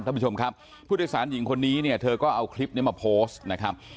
ท่านผู้ชมครับผู้โดยสารหญิงคนนี้เนี่ยเธอก็เอาคลิปนี้มาโพสต์นะครับ